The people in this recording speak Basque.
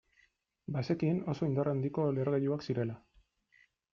Bazekien oso indar handiko lehergailuak zirela.